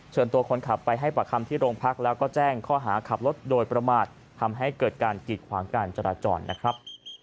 เชิญตัวคนขับไปให้ประคัมที่โรงพักแล้วก็แจ้งข้อหาขับรถโดยประมาททำให้เกิดการกีดขวางการจราจรนะครับ